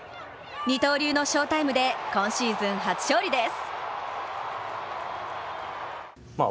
二刀流の翔タイムで今シーズン初勝利です。